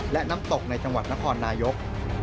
และน้ำตกในจังหวัดนครนายก